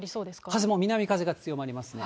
風も南風が強まりますね。